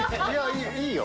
いいよ。